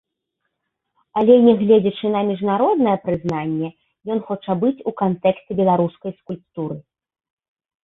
Але нягледзячы на міжнароднае прызнанне ён хоча быць у кантэксце беларускай скульптуры.